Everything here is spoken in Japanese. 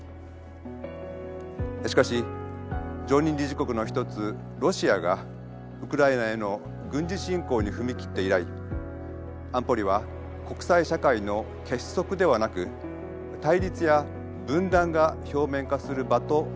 しかし常任理事国の一つロシアがウクライナへの軍事侵攻に踏み切って以来安保理は国際社会の結束ではなく対立や分断が表面化する場となっています。